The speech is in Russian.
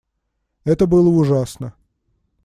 Это было ужасно.